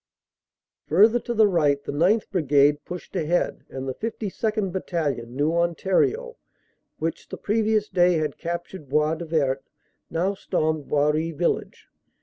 Further to the right, the 9th. Brigade pushed ahead, and the 52nd. Battalion, New Ontario, which the previous day had captured Bois du Vert, now stormed Boiry village.